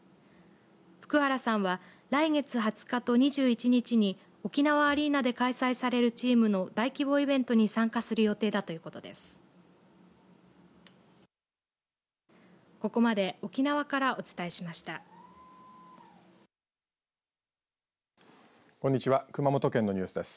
福原さんは来月２０日と２１日に沖縄アリーナで開催されるチームの大規模イベントに参加する予定だということです。